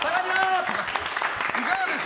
いかがでした？